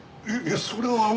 それはあの。